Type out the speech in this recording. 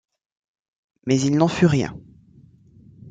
Mais il n’en fut rien.